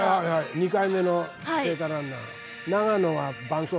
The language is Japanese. ２回目の聖火ランナー。